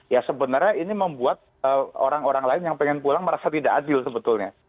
ya sebenarnya ini membuat orang orang lain yang pengen pulang merasa tidak adil sebetulnya